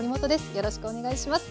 よろしくお願いします。